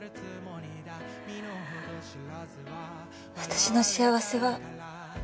私の幸せは。